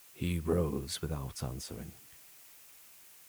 He rose without answering.